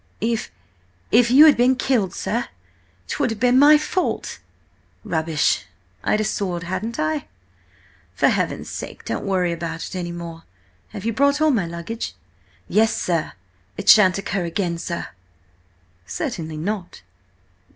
"If–if you had been killed, sir–'twould have been my fault." "Rubbish! I'd a sword, hadn't I? For heaven's sake don't worry about it any more! Have you brought all my baggage?" "Yes, sir. It shan't occur again, sir." "Certainly not.